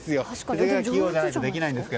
手が器用じゃないとできないんです。